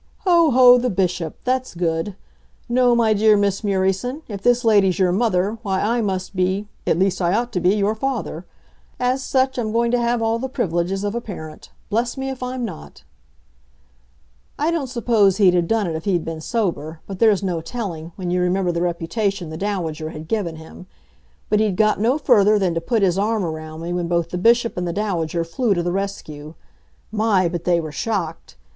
"Ho! ho! The Bishop that's good. No, my dear Miss Murieson, if this lady's your mother, why, I must be at least, I ought to be, your father. As such, I'm going to have all the privileges of a parent bless me, if I'm not." I don't suppose he'd have done it if he'd been sober, but there's no telling, when you remember the reputation the Dowager had given him. But he'd got no further than to put his arm around me when both the Bishop and the Dowager flew to the rescue. My, but they were shocked!